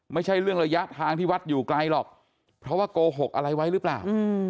ไม่ใช่เรื่องระยะทางที่วัดอยู่ไกลหรอกเพราะว่าโกหกอะไรไว้หรือเปล่า